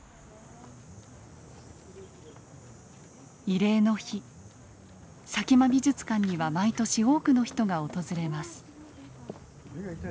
慰霊の日佐喜眞美術館には毎年多くの人が訪れます。